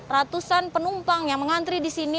ratusan penumpang yang mengantri di sini